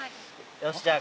よしじゃあ